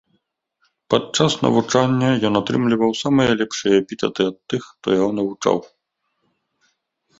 Падчас навучання ён атрымліваў самыя лепшыя эпітэты ад тых, хто яго навучаў.